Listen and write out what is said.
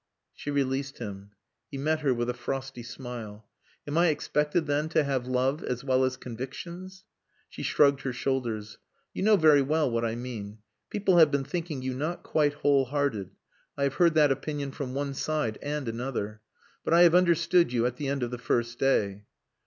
She released him. He met her with a frosty smile. "Am I expected then to have love as well as convictions?" She shrugged her shoulders. "You know very well what I mean. People have been thinking you not quite whole hearted. I have heard that opinion from one side and another. But I have understood you at the end of the first day...."